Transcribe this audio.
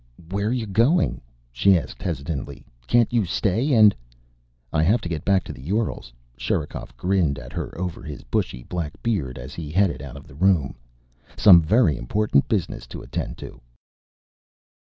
"Where are you going?" she asked hesitantly. "Can't you stay and " "I have to get back to the Urals." Sherikov grinned at her over his bushy black beard as he headed out of the room. "Some very important business to attend to."